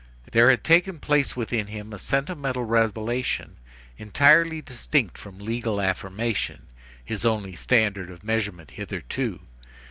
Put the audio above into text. There had taken place within him a sentimental revelation entirely distinct from legal affirmation, his only standard of measurement hitherto.